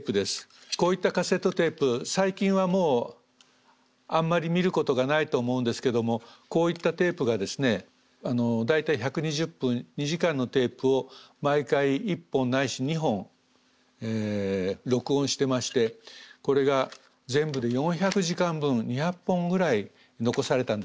こういったカセットテープ最近はもうあんまり見ることがないと思うんですけどもこういったテープがですね大体１２０分２時間のテープを毎回１本ないし２本録音してましてこれが全部で４００時間分２００本ぐらい残されたんです。